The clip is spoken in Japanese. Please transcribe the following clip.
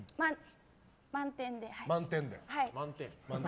満点で。